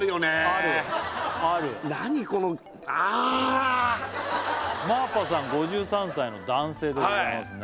あるある何このあっまーぱさん５３歳の男性でございますね